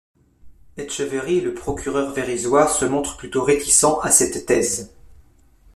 Etcheverry et le procureur Verrisoy se montrent plutôt réticents à cette thèse.